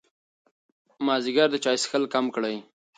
مازدیګر د چای څښل کم کړئ.